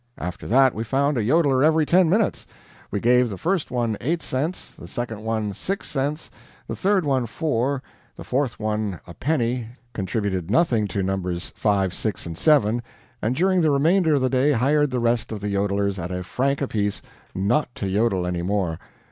After that, we found a jodeler every ten minutes; we gave the first one eight cents, the second one six cents, the third one four, the fourth one a penny, contributed nothing to Nos. 5, 6, and 7, and during the remainder of the day hired the rest of the jodelers, at a franc apiece, not to jodel any more.